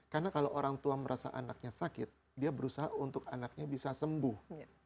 karena kalau orang tua merasa anaknya sakit dia berusaha untuk anaknya bisa sembuh